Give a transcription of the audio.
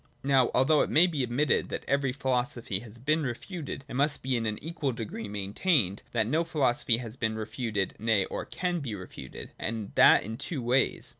Now, although it may be admitte that every philosophy has been refuted, it must be in a: equal degree maintained, that no philosophy has been re futed, nay, or can be refuted. And that in two ways.